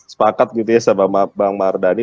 sepakat gitu ya sama bang mardhani